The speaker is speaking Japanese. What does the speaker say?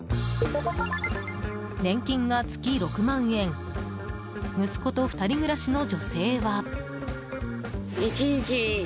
年金が月６万円息子と２人暮らしの女性は。